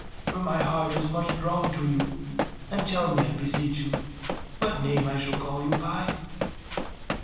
For my heart is much drawn to you, and tell me, I beseech you, what name I shall call you by."